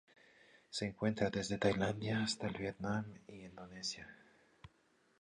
Se encuentra desde Tailandia hasta el Vietnam y Indonesia.